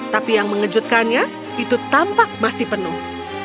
tapi yang mengejutkannya itu tampak masih penuh